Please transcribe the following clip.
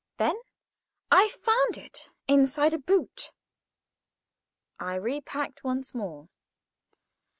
Then I found it inside a boot. I repacked once more.